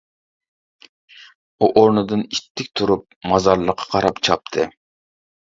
ئۇ ئورنىدىن ئىتتىك تۇرۇپ مازارلىققا قاراپ چاپتى.